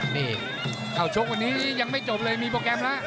นี่เข้าชกวันนี้ยังไม่จบเลยมีโปรแกรมแล้ว